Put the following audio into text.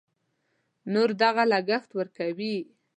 نور دغه لګښت ورکوي.